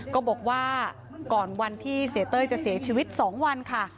ก็บอกว่าก่อนวันที่เสียเต้ยจะเสียชีวิต๒วันค่ะ